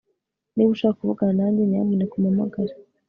Niba ushaka kuvugana nanjye nyamuneka umpamagare